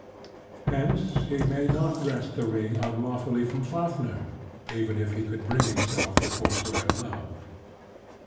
Hence he may not wrest the ring unlawfully from Fafnir, even if he could bring himself to forswear love.